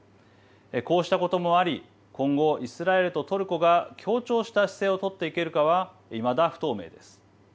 こうしたこともあり今後、イスラエルとトルコが協調した姿勢を取っていけるかはいまだ不透明です。